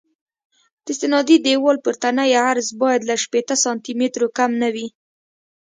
د استنادي دیوال پورتنی عرض باید له شپېته سانتي مترو کم نه وي